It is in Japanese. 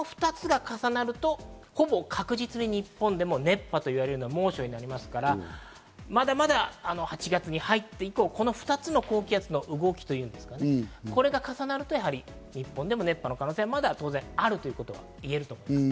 この２つが重なると、ほぼ確実に日本でも熱波と言われるような猛暑になりますから、８月に入って以降、この２つの高気圧の動きというのが重なると日本でも熱波の可能性がまだあるといえます。